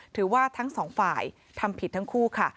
ถือว่าทั้งสองฝ่ายทำผิดทั้งคู่ค่ะ